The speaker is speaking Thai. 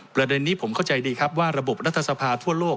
ประเด็นนี้ผมเข้าใจดีครับว่าระบบรัฐสภาทั่วโลก